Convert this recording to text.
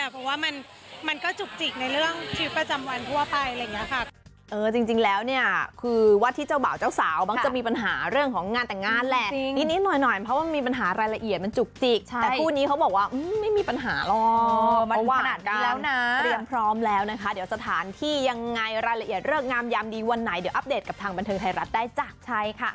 เพราะว่ามันก็จุกจิกในเรื่องชีวิตประจำวันทั่วไป